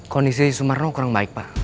kondisi sumarno kurang baik pak